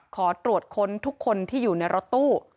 ขอตรวจค้นทุกคนที่อยู่ในรถตู้